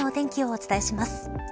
お伝えします。